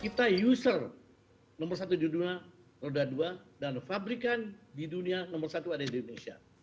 kita user nomor satu di dunia roda dua dan fabrikan di dunia nomor satu ada di indonesia